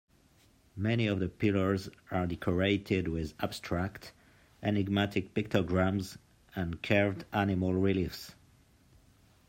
Many of the pillars are decorated with abstract, enigmatic pictograms and carved animal reliefs.